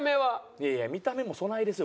いやいや見た目もそないですよ